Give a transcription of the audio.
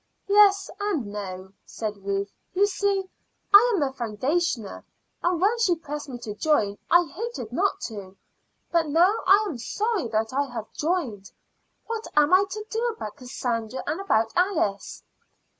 "Yes and no," said Ruth. "You see, I am a foundationer, and when she pressed me to join I hated not to; but now I am sorry that I have joined. What am I to do about Cassandra and about Alice?"